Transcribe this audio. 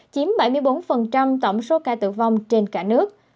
chiếm bảy mươi bốn tổng số ca tử vong trên cả nước